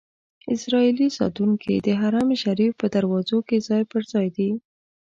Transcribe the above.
اسرائیلي ساتونکي د حرم شریف په دروازو کې ځای پر ځای دي.